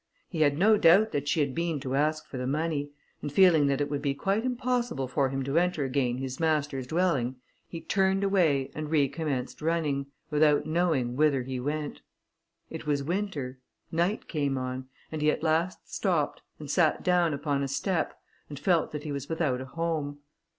He had no doubt that she had been to ask for the money, and feeling that it would be quite impossible for him to enter again his master's dwelling, he turned away, and recommenced running, without knowing whither he went. It was winter: night came on, and he at last stopped, and sat down upon a step, and felt that he was without a home.